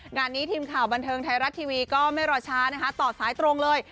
งานนี้ทีมข่าวบันเทิงไทยรัฐทีวีก็ไม่รอช้านะคะต่อสายตรงเลย